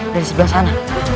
dari sebelah sana